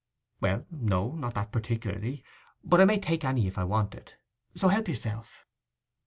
'Well, no; not that particularly; but I may take any if I want it. So help yourself.